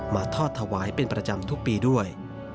ทอดถวายเป็นประจำทุกปีด้วย